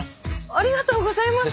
ありがとうございます。